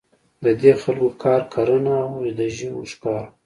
د دې خلکو کار کرنه او ژویو ښکار وو.